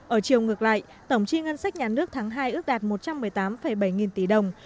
ở chiều ngược lại tổng chi ngân sách nhà nước tháng hai ước đạt một trăm một mươi tám bảy nghìn tỷ đồng